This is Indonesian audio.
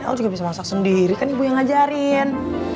aku juga bisa masak sendiri kan ibu yang ngajarin